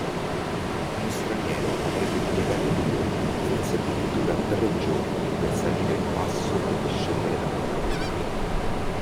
Uno straniero avrebbe impiegato due, forse addirittura tre, giorni per salire il passo e discendere dall'altra parte.